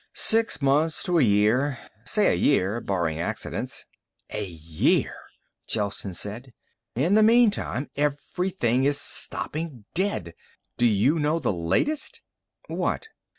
"Six months to a year. Say a year, barring accidents." "A year," Gelsen said. "In the meantime, everything is stopping dead. Do you know the latest?" "What?"